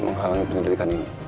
menghalangi penyelidikan ini